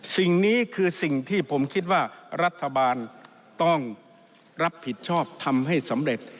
สิ่งนี้คือสิ่งที่ผมคิดว่ารัฐบาลต้องรับผิดชอบทำให้สำเร็จ